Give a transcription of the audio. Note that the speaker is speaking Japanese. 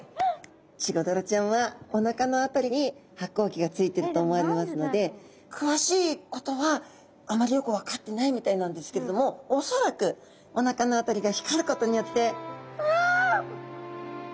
チゴダラちゃんはおなかの辺りに発光器がついてると思われますので詳しいことはあまりよく分かってないみたいなんですけれども恐らくおなかの辺りが光ることによって「うわ！あなた光ってますね！